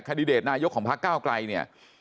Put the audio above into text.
คาดิเดตนายกของพระเก้าไกลเนี่ย